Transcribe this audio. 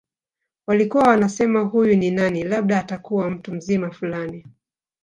Walikuwa wanasema huyu ni nani labda atakuwa mtu mzima fulani